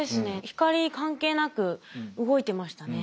光関係なく動いてましたね。